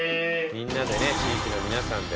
みんなでね地域の皆さんで。